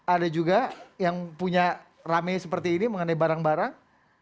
ada juga yang punya rame seperti ini mengenai barang barang